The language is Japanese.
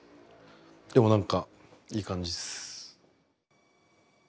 でも何かいい感じっす。